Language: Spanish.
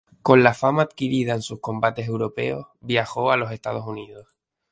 Con la fama adquirida en sus combates europeos, viajó a los Estados Unidos.